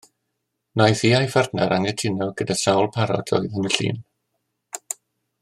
Wnaeth hi a'i phartner anghytuno gyda sawl parot oedd yn y llun